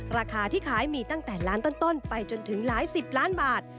ราคาที่ขายมีตั้งแต่ล้านต้นไปจนถึงหลายสิบล้านบาท